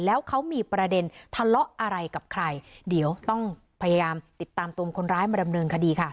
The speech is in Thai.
แล้วเขามีประเด็นทะเลาะอะไรกับใครเดี๋ยวต้องพยายามติดตามตัวคนร้ายมาดำเนินคดีค่ะ